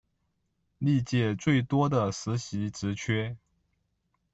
历届最多的实习职缺